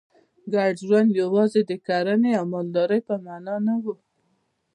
ګډ ژوند یوازې د کرنې او مالدارۍ په معنا نه و.